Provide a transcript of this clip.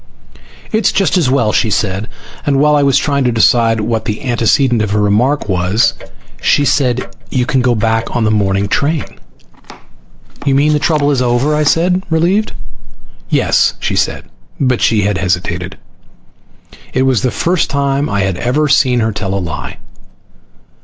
"It's just as well," she said. And while I was trying to decide what the antecedent of her remark was she said, "You can go back on the morning train." "You mean the trouble is over?" I said, relieved. "Yes," she said. But she had hesitated. It was the first time I had ever seen her tell a lie.